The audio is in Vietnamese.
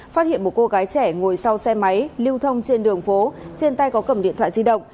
phát hiện một cô gái trẻ ngồi sau xe máy lưu thông trên đường phố trên tay có cầm điện thoại di động